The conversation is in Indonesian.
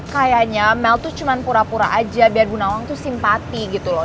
kayanya mel tuh cuma pura pura aja biar bu nawang tuh simpati gitu loh